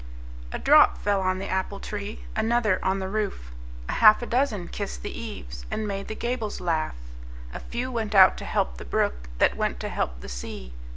A drop fell on the apple tree, Another on the roof; A half a dozen kissed the eaves, And made the gables laugh. A few went out to help the brook, That went to help the sea.